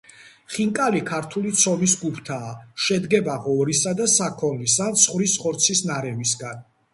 ხინკალი ქართული ცომის გუფთა. შედგება ღორისა და საქონლის ან ცხვრის ხორცის ნარევისგან.